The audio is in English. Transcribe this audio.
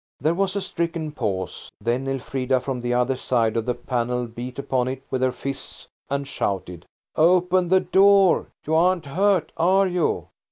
There was a stricken pause. Then Elfrida from the other side of the panel beat upon it with her fists and shouted– "Open the door! You aren't hurt, are you?"